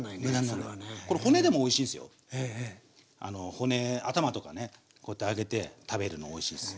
骨頭とかねこうやって揚げて食べるのおいしいっす。